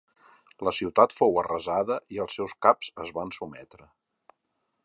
La ciutat fou arrasada i els seus caps es van sotmetre.